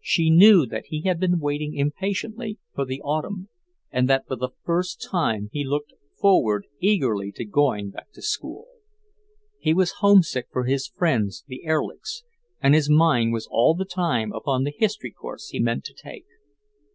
She knew that he had been waiting impatiently for the autumn, and that for the first time he looked forward eagerly to going back to school. He was homesick for his friends, the Erlichs, and his mind was all the time upon the history course he meant to take.